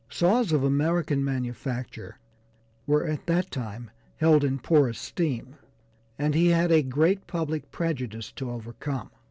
Saws of American manufacture, were at that time held in poor esteem, and he had a great public prejudice to overcome.